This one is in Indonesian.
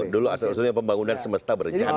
dulu asal asalnya pembangunan semesta berencana namanya